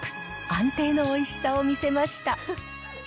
安定のおいしさを見せました。